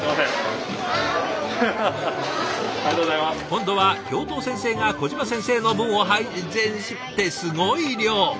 今度は教頭先生が小島先生の分を配膳しってすごい量！